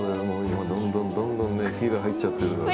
どんどん火が入っちゃってるから。